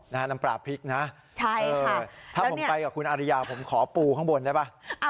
น้ำปลาพริกนะถ้าผมไปกับคุณอาริยาผมขอปูข้างบนได้ป่ะ